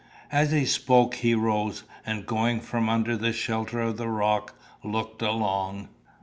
As he spoke he rose, and going from under the shelter of the rock, looked along.